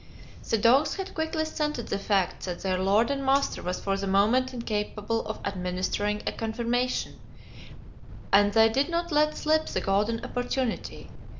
The dogs had quickly scented the fact that their lord and master was for the moment incapable of administering a "confirmation," and they did not let slip the golden opportunity.